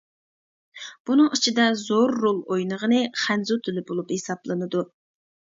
بۇنىڭ ئىچىدە زور رول ئوينىغىنى خەنزۇ تىلى بولۇپ ھېسابلىنىدۇ.